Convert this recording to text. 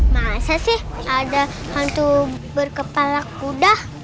masa sih ada hantu berkepala kuda